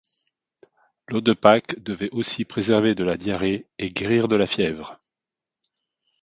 L'eau de Pâques devait aussi préserver de la diarrhée, et guérir de la fièvre.